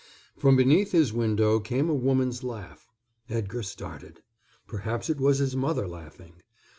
From beneath his window came a woman's laugh. Edgar started. Perhaps it was his mother laughing.